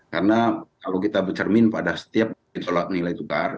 karena kalau kita bercermin pada setiap gejolak nilai tukar